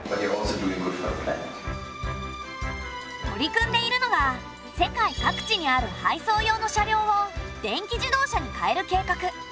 取り組んでいるのが世界各地にある配送用の車両を電気自動車にかえる計画。